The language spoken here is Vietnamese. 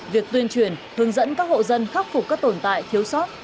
việc tuyên truyền hướng dẫn các hộ dân khắc phục các tồn tại thiếu sót